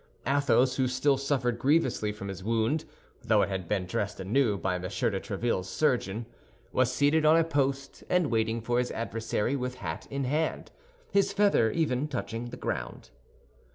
Athos, who still suffered grievously from his wound, though it had been dressed anew by M. de Tréville's surgeon, was seated on a post and waiting for his adversary with hat in hand, his feather even touching the ground.